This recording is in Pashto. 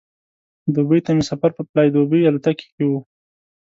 دوبۍ ته مې سفر په فلای دوبۍ الوتکه کې و.